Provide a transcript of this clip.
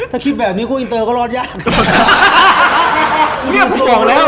ถ้าคลิปแบบนี้กูอินเตอร์ก็รอดยาก